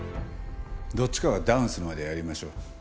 どっちかがダウンするまでやりましょう。